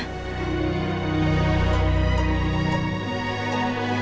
kamu harus tidur dulu ya